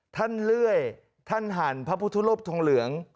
ท่านเลรุยท่านหั่นพระพุทธธรพทรงเหลือง